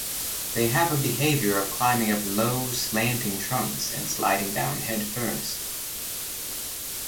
They have a behaviour of climbing up low, slanting trunks and sliding down headfirst.